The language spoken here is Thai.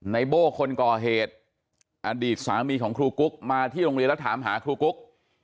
โบ้คนก่อเหตุอดีตสามีของครูกุ๊กมาที่โรงเรียนแล้วถามหาครูกุ๊ก